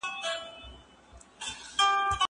زه پرون کتابتوننۍ سره وم؟!